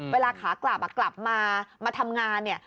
เวลาขากลับกลับมามาทำงานเนี่ย